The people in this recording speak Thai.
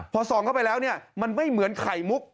พอส่องเข้าไปแล้วเนี่ยมันไม่เหมือนไข่มุก